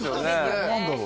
何だろう。